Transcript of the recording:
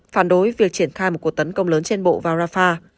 phản đối việc triển khai một cuộc tấn công lớn trên bộ vào rafah